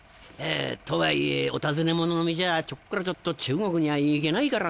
とはいえお尋ね者の身じゃちょっこらちょっと中国にゃ行けないからなぁ。